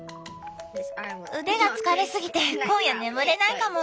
腕が疲れすぎて今夜眠れないかも。